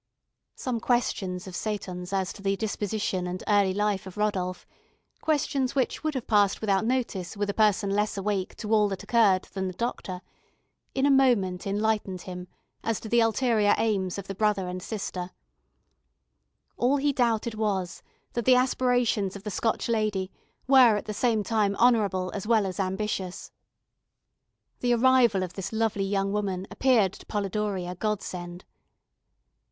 Some questions of Seyton's as to the disposition and early life of Rodolph, questions which would have passed without notice with a person less awake to all that occurred than the doctor, in a moment enlightened him as to the ulterior aims of the brother and sister; all he doubted was, that the aspirations of the Scotch lady were at the same time honourable as well as ambitious. The arrival of this lovely young woman appeared to Polidori a godsend.